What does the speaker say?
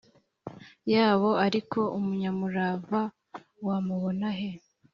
yabo Ariko umunyamurava wamubona he